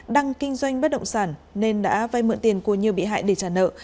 đăng kinh doanh bất động sản nên đã vay mượn tiền của nhiều bị hại để trả nợ